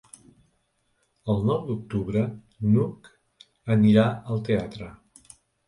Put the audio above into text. El nou d'octubre n'Hug anirà al teatre.